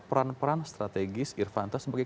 peran peran strategis irvanto sebagai